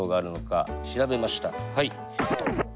はい。